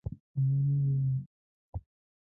زما مور یوه ونه وه